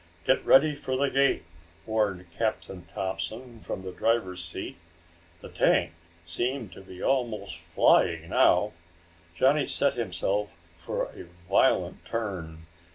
"Get ready for the gate!" warned Captain Thompson from the driver's seat. The tank seemed to be almost flying now. Johnny set himself for a violent turn.